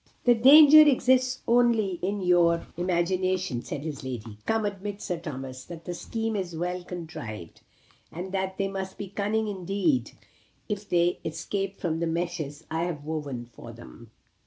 "The danger exists only in your imagination," said his Lady. "Come, admit, Sir Thomas, that the scheme is well contrived, and that they must be cunning indeed if they escape from the meshes I have woven for them."